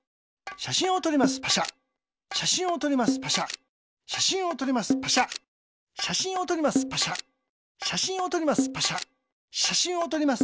しゃしんをとります。